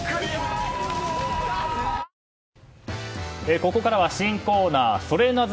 ここからは新コーナーソレなぜ？